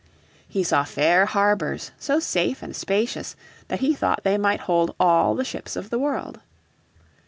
He saw fair harbours so safe and spacious that he thought they might hold all the ships of the world.